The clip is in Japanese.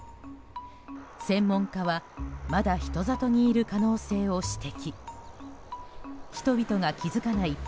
専門家はまだ人里にいる可能性を指摘。